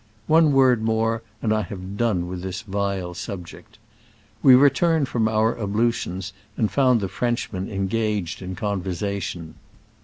One word more, and I have done with this vile subject. We returned from our ablutions, and found the Frenchmen engaged in con versation.